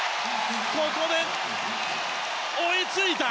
ここで、追いついた！